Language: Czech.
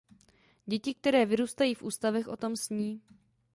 Děti, které vyrůstají v ústavech, o tom sní.